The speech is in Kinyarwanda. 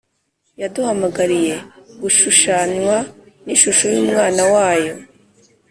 yaduhamagariye “gushushanywa n’ishusho y’umwana wayo